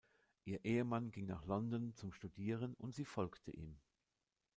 Ihr Ehemann ging nach London zum Studieren und sie folgte ihm.